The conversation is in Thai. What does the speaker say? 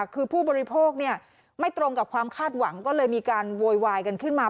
คือผู้บริโภคไม่ตรงกับความคาดหวังก็เลยมีการโวยวายกันขึ้นมา